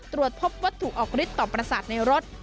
ตรวจพบวัตถุออกฤทธิต่อประสาทในรถ